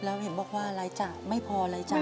แล้วเห็นบอกว่ารายจ่ายไม่พอรายจ่าย